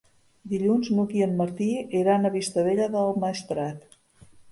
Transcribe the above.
Dilluns n'Hug i en Martí iran a Vistabella del Maestrat.